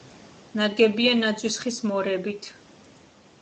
ნაგებია ნაძვის ხის მორებით.